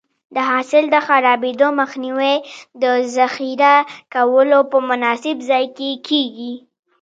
د حاصل د خرابېدو مخنیوی د ذخیره کولو په مناسب ځای کې کېږي.